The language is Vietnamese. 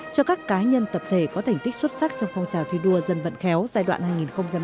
cho các cá nhân tập thể có thành tích xuất sắc trong phong trào thi đua dân vận khéo giai đoạn hai nghìn một mươi sáu hai nghìn hai mươi